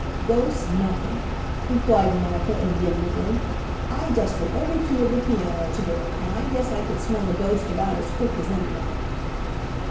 "Ghosts nothin'," replied Martha indignantly. "I dusted every key of the piano to day, and I guess I could smell a ghost about as quick as anybody."